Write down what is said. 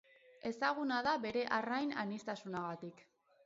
Ezaguna da bere arrain aniztasunarengatik.